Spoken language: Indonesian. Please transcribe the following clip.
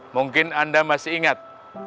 mungkin anda masih ingat